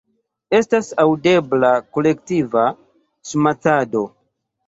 Estas aŭdebla kolektiva ŝmacado.